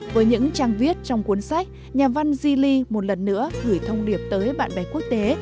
với những trang viết trong cuốn sách nhà văn zili một lần nữa gửi thông điệp tới bạn bè quốc tế